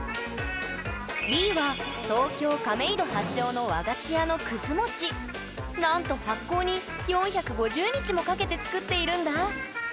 Ｂは東京・亀戸発祥の和菓子屋のなんと発酵に４５０日もかけて作っているんだ！